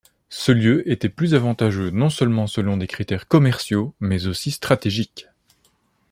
Ce lieu était plus avantageux non seulement selon des critères commerciaux, mais aussi stratégiques.